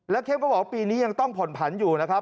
เข้มก็บอกว่าปีนี้ยังต้องผ่อนผันอยู่นะครับ